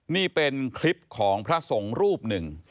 นี่เป็นคลิปของพระสงฆ์รูปหนึ่ง